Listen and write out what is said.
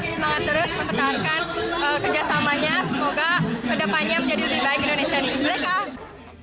semangat terus mempertahankan kerjasamanya semoga kedepannya menjadi lebih baik indonesia di indonesia